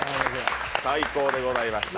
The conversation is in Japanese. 最高でございました。